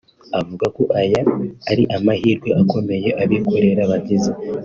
Avuga ko aya ari amahirwe akomeye abikorera bagize